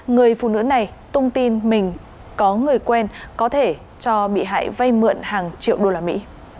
người phụ nữ này tung tin mình có người quen có thể cho bị hại vay mượn hàng triệu đô la mỹ